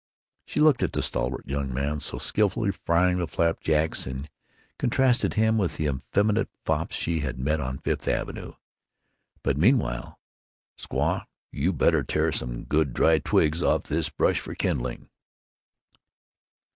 She looked at the stalwart young man, so skilfully frying the flapjacks, and contrasted him with the effeminate fops she had met on Fifth Avenue.'... But meanwhile, squaw, you'd better tear some good dry twigs off this bush for kindling."